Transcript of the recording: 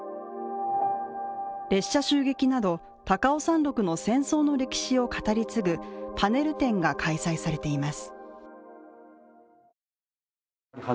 列車襲撃など高尾山ろくの戦争の歴史を語り継ぐパネル展が開催されています。